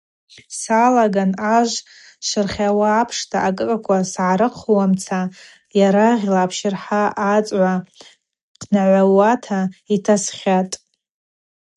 Салаган ажв шырхьауа апшта акӏыкӏаква сгӏарыхъуамца йарагъла апщырхӏа ацӏгӏва хънагӏвауата йгӏатасхьатӏ.